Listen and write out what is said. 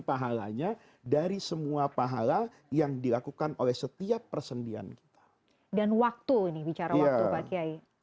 pahalanya dari semua pahala yang dilakukan oleh setiap persendian kita dan waktu ini bicara waktu pak kiai